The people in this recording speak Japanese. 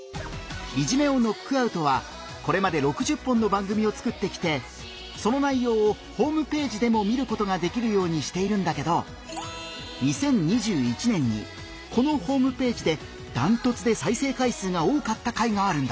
「いじめをノックアウト」はこれまで６０本の番組を作ってきてその内容をホームページでも見ることができるようにしているんだけど２０２１年にこのホームページでダントツで再生回数が多かった回があるんだ。